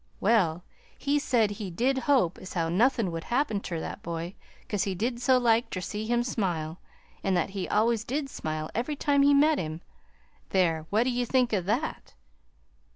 "Well, he said he did hope as how nothin' would happen ter that boy cause he did so like ter see him smile, an' that he always did smile every time he met him! There, what do ye think o' that?"